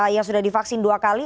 yang sudah divaksin dua kali